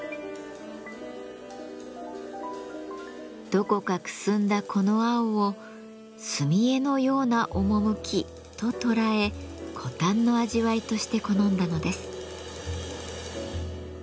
どこかくすんだこの青を「墨絵のような趣」と捉え枯淡の味わいとして好んだのです。